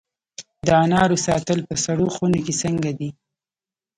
د انارو ساتل په سړو خونو کې څنګه دي؟